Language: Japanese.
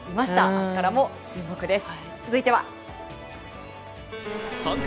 明日からも注目です。